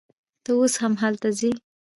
ته اوس هم هلته ځې